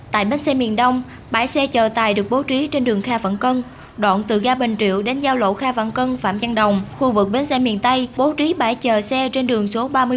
tại bến xe miền đông bãi xe chờ tài được bố trí trên đường kha phận cân đoạn từ ga bình triệu đến giao lộ kha vạn cân phạm giang đồng khu vực bến xe miền tây bố trí bãi chờ xe trên đường số ba mươi một